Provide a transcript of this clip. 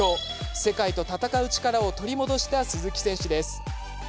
世界と戦う力を取り戻した鈴木選手です。